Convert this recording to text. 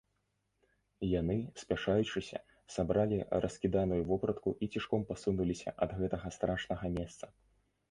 Яны, спяшаючыся, сабралі раскіданую вопратку і цішком пасунуліся ад гэтага страшнага месца.